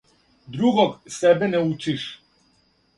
другог себе не учиш